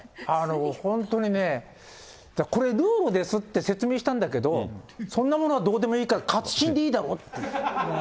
本当にね、これ、ルールですって説明したんだけど、そんなものはどうでもいいから、勝新でいいだろうって。